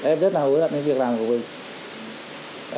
em rất là hối lận với việc làm của mình